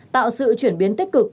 tạo sự chuyển biến tích cực